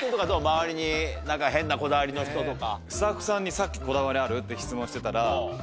周りに変なこだわりの人とか。